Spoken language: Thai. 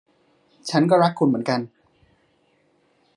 ฉันก็รักคุณเหมือนกัน